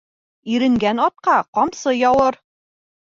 Иренгән атҡа ҡамсы яуыр.